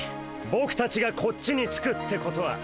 ボクたちがこっちにつくってことは。